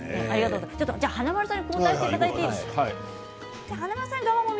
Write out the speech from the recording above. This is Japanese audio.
華丸さんの方にいっていただいてもいいですか。